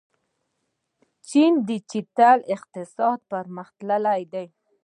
چین ډیجیټل اقتصاد پرمختللی دی.